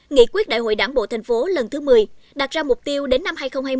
nghị quyết đại hội đảng bộ thành phố lần thứ một mươi đặt ra mục tiêu đến năm hai nghìn hai mươi